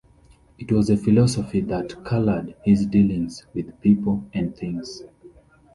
It was a philosophy that coloured his dealings with people and things.